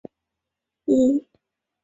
他人可称总督为督宪阁下。